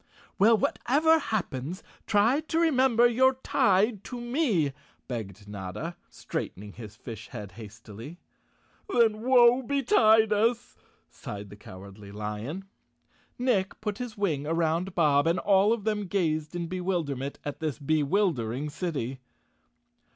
Well, whatever happens, try to remember you're _ Chapter Sixteen tied to me," begged Notta, straightening his fish head hastily. " Then woe betide us," sighed the Cowardly Lion. Nick put his wing around Bob and all of them gazed in bewilderment at this bewildering city.